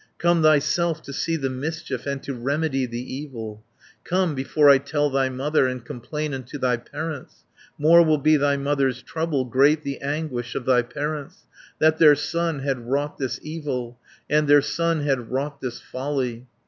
Come thyself to see the mischief, And to remedy the evil. Come, before I tell thy mother, And complain unto thy parents, More will be thy mother's trouble, Great the anguish of thy parents, 340 That their son had wrought this evil, And their son had wrought this folly.